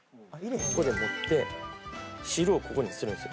ここで持って汁をここに捨てるんですよ。